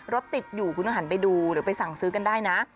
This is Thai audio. รถติดอยู่คุณต้องหันไปดูหรือไปสั่งซื้อกันได้นะ